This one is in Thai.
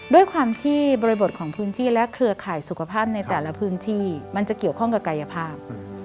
ด้วยความที่บริบทของพื้นที่และเครือข่ายสุขภาพในแต่ละพื้นที่มันจะเกี่ยวข้องกับกายภาพ